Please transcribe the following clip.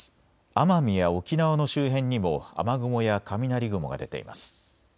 奄美や沖縄の周辺にも雨雲や雷雲が出ています。